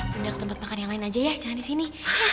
pindah ke tempat makan yang lain aja ya jangan di sini